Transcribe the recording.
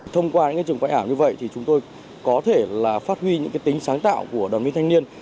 thông qua những trường quay ảm như vậy thì chúng tôi có thể phát huy những tính sáng tạo của đồng viên thanh niên